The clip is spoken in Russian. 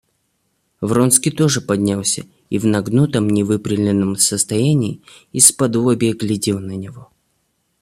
Вронский тоже поднялся и в нагнутом, невыпрямленном состоянии, исподлобья глядел на него.